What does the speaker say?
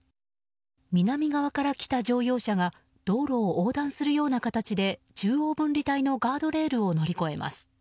南側から来た乗用車が道路を横断するような形で中央分離帯のガードレールを乗り越えます。